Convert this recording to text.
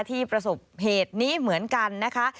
ประสบเหตุนี้เหมือนกันนะคะ